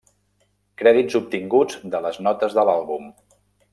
Crèdits obtinguts de les notes de l'àlbum.